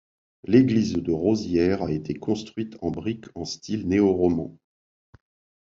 L'église de Rosières a été construite en brique en style néo-roman.